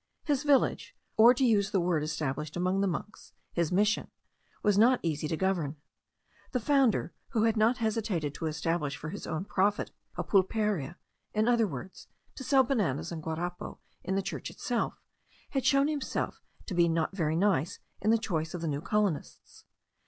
His village, or to use the word established among the monks, his Mission, was not easy to govern. The founder, who had not hesitated to establish for his own profit a pulperia, in other words, to sell bananas and guarapo in the church itself, had shown himself to be not very nice in the choice of the new colonists.